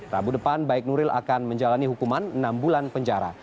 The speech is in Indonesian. rabu depan baik nuril akan menjalani hukuman enam bulan penjara